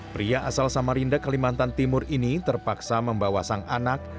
pria asal samarinda kalimantan timur ini terpaksa membawa sang anak